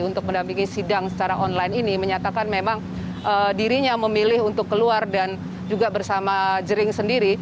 untuk mendampingi sidang secara online ini menyatakan memang dirinya memilih untuk keluar dan juga bersama jering sendiri